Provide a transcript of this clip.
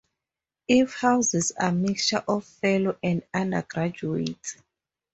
It houses a mixture of fellows and undergraduates.